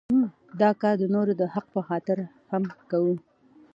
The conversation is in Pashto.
دا کار د نورو د حق په خاطر هم کوو.